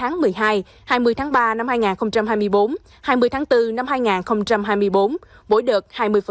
các ngày hai mươi tháng một mươi một hai mươi tháng một mươi hai hai mươi tháng ba năm hai nghìn hai mươi bốn hai mươi tháng bốn năm hai nghìn hai mươi bốn mỗi đợt hai mươi